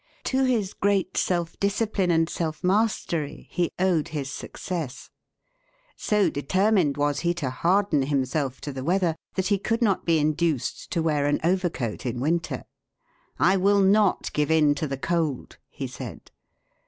To his great self discipline and self mastery he owed his success. So determined was he to harden himself to the weather that he could not be induced to wear an overcoat in winter. "I will not give in to the cold," he said.